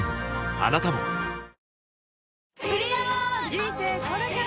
あなたも人生これから！